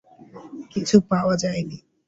কিছু পাওয়া যায়নি।